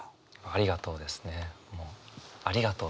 ありがとうです。